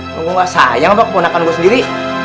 kamu tidak sayang apa kepenakan saya sendiri